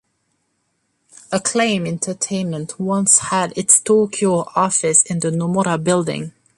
Acclaim Entertainment once had its Tokyo office in the Nomora Building.